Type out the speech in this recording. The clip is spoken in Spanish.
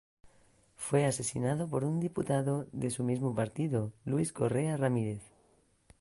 Fue asesinado por el diputado de su mismo partido, Luis Correa Ramírez.